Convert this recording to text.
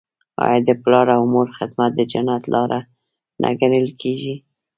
آیا د پلار او مور خدمت د جنت لاره نه ګڼل کیږي؟